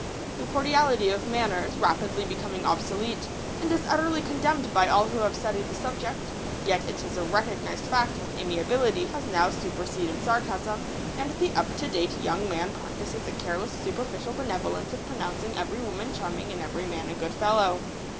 Though cordiality of manner is rapidly becoming obsolete, and is utterly condemned by all who have studied the subject, yet it is a recognised fact that amiability has now superseded sarcasm, and the up to date young man practises a careless superficial benevolence of pronouncing every woman charming and every man a good fellow.